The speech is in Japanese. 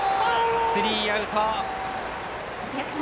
スリーアウト。